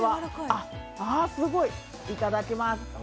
あっ、ああ、すごい、いただきます。